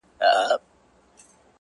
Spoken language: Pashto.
ستا تصوير خپله هينداره دى زما گراني ـ